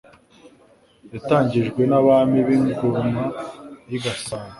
yatangijwe n'abami b'ingoma y'i Gasabo,